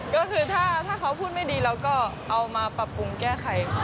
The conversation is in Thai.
ก็คือถ้าเขาพูดไม่ดีเราก็เอามาปรับปรุงแก้ไข